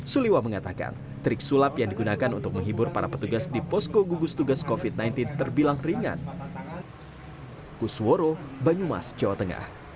suliwa mengatakan trik sulap yang digunakan untuk menghibur para petugas di posko gugus tugas covid sembilan belas terbilang ringan